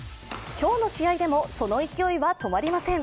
今日の試合でもその勢いは止まりません。